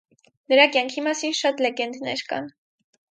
Նրա կյանքի մասին շատ լեգենդներ կան։